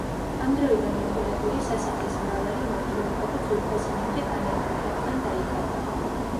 ამ დროიდან მოყოლებული სასახლის მრავალი მორთულობა და ძვირფასი ნივთი განადგურდა ან დაიკარგა.